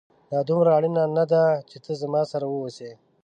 دا دومره اړينه نه ده چي ته زما سره واوسې